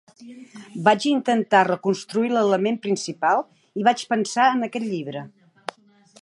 Vaig intentar reconstruir l'element principal i vaig pensar en aquest llibre.